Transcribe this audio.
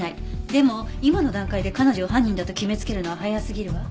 でも今の段階で彼女を犯人だと決めつけるのは早すぎるわ。